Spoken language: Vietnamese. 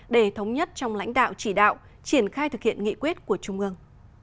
để thống nhất trong lãnh đạo chỉ đạo triển khai thực hiện nghị quyết của trung ương